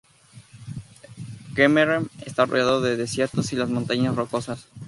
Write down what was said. Kemmerer está rodeado de desiertos y las Montañas Rocosas.